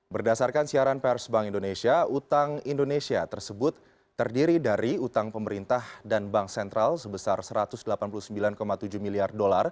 berdasarkan siaran pers bank indonesia utang indonesia tersebut terdiri dari utang pemerintah dan bank sentral sebesar rp satu ratus delapan puluh sembilan tujuh miliar dolar